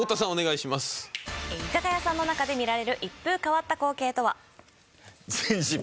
居酒屋さんの中で見られる一風変わった光景とは？